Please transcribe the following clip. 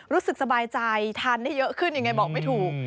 รู้สึกสบายใจทานได้เยอะขึ้นยังไงบอกไม่ถูก